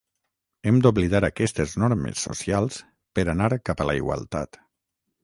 Hem d'oblidar aquestes normes socials per anar cap a la igualtat.